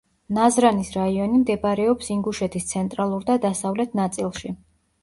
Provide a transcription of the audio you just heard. ნაზრანის რაიონი მდებარეობს ინგუშეთის ცენტრალურ და დასავლეთ ნაწილში.